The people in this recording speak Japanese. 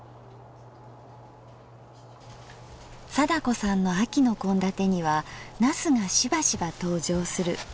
貞子さんの秋の献立には茄子がしばしば登場する。